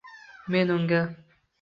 Men unga